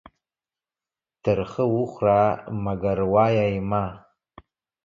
تر خه وخوره ، منگر وايه يې مه.